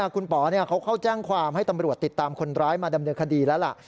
คุณป๋อเขาเข้าแจ้งความให้ตำรวจติดตามคนร้ายมาดำเนินคดีแล้วล่ะ